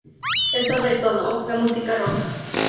Es sobre todo la música rock.